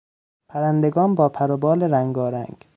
پرندگان با پر و بال رنگارنگ